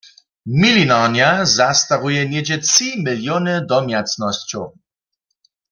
Milinarnja zastaruje něhdźe tři miliony domjacnosćow.